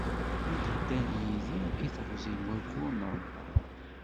Mi d-ddan yidi i teɣzi n wayyur n Remḍan.